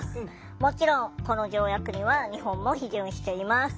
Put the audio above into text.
もちろんこの条約には日本も批准しています。